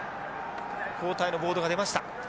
交代のボードが出ました。